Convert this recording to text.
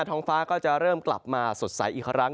ท้องฟ้าก็จะเริ่มกลับมาสดใสอีกครั้ง